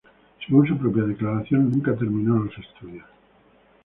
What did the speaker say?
Según su propia declaración, nunca terminó los estudios.